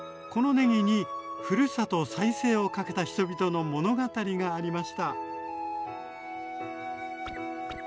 このねぎにふるさと再生を懸けた人々の物語がありました。